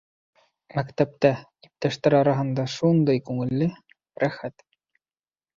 Мәктәптә, иптәштәр араһында шундай күңелле, рәхәт.